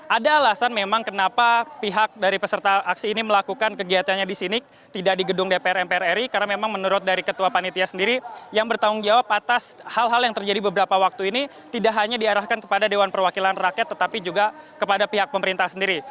ada alasan memang kenapa pihak dari peserta aksi ini melakukan kegiatannya di sini tidak di gedung dpr mprri karena memang menurut dari ketua panitia sendiri yang bertanggung jawab atas hal hal yang terjadi beberapa waktu ini tidak hanya diarahkan kepada dewan perwakilan rakyat tetapi juga kepada pihak pemerintah sendiri